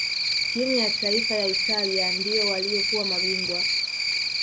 timu ya taifa ya italia ndio waliokuwa mabingwa